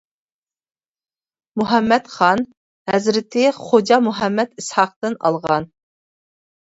مۇھەممەت خان-ھەزرىتى خوجا مۇھەممەت ئىسھاقتىن ئالغان.